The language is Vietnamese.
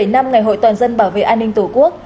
một mươi bảy năm ngày hội toàn dân bảo vệ an ninh tổ quốc